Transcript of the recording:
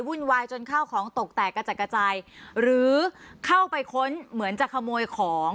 วายจนข้าวของตกแตกกระจัดกระจายหรือเข้าไปค้นเหมือนจะขโมยของ